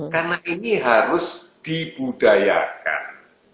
karena ini harus dibudayakan